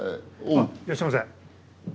あっいらっしゃいませ。